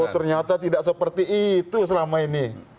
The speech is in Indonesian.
oh ternyata tidak seperti itu selama ini